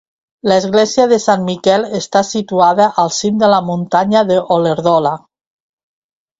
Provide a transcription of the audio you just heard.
L'església de Sant Miquel està situada al cim de la muntanya d'Olèrdola.